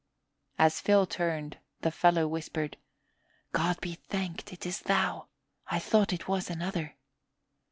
As Phil turned, the fellow whispered, "God be thanked it is thou! I thought it was another.